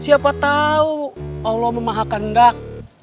siapa tau allah memahakan dak